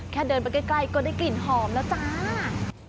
เดินไปใกล้ก็ได้กลิ่นหอมแล้วจ้า